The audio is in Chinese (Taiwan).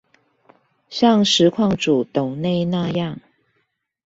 像實況主斗內那樣